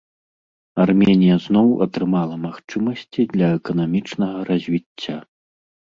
Арменія зноў атрымала магчымасці для эканамічнага развіцця.